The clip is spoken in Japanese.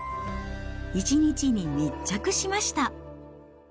一日に密着しました。